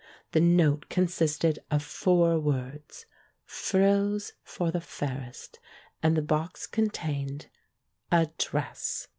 The note consisted of four words — "Frills for the Fairest," and the box contained — a dress.